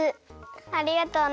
ありがとうね。